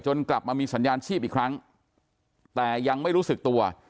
กลับมามีสัญญาณชีพอีกครั้งแต่ยังไม่รู้สึกตัว